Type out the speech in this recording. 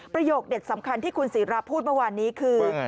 ประโยคเด็ดสำคัญที่คุณศิราพูดเมื่อวานนี้คือ